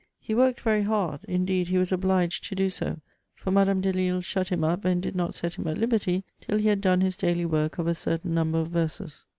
He \>vorked very hard ; indeed, he was obliged to do so, for Madame D^Iille shut him up, and did not set him at liberty till he had done his daily work of a certain number of verses.